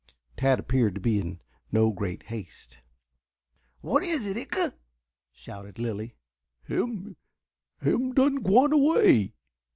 Tad appeared to be in no great haste. "What is it, Icha?" shouted Lilly. "Him him done gwine away."